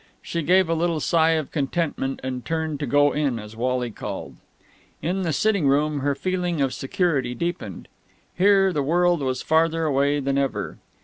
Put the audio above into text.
She gave a little sigh of contentment and turned to go in as Wally called. In the sitting room her feeling of security deepened. Here, the world was farther away than ever.